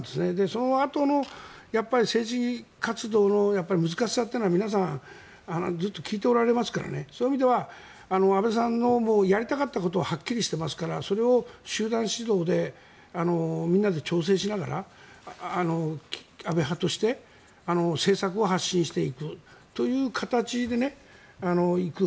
そのあとの政治活動の難しさというのは皆さんずっと聞いておられますからそういう意味では安倍さんがやりたかったことははっきりしていますからそれを集団指導でみんなで調整しながら安倍派として政策を発信していくという形で行く。